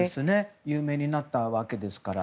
有名になったわけですから。